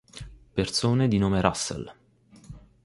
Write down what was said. Persone di nome Russell